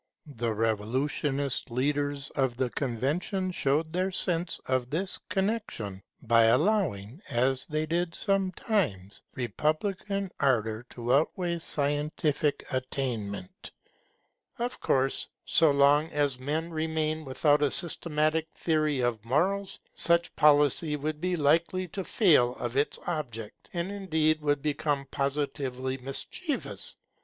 The revolutionist leaders of the Convention showed their sense of this connexion by allowing, as they did sometimes, republican ardour to outweigh scientific attainment. Of course, so long as men remain without a systematic theory of morals, such policy would be likely to fail of its object, and indeed would become positively mischievous.